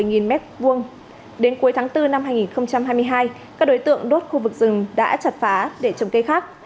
gần cuối tháng bốn năm hai nghìn hai mươi hai các đối tượng đốt khu vực rừng đã chặt phá để trồng cây khác